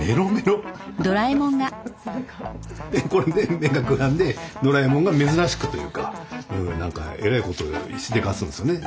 でこれで目がくらんでドラえもんが珍しくというかえらいことしでかすんですよね。